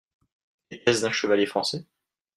Etait-ce d’un chevalier français ?